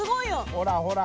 ほらほら！